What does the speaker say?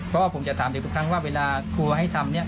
เพราะว่าผมจะถามเด็กทุกครั้งว่าเวลาครัวให้ทำเนี่ย